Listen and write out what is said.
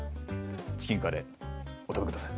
チキンカレーお食べください